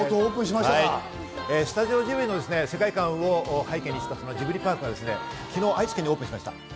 スタジオジブリの世界観を背景にしたジブリパークが昨日、愛知県にオープンしました。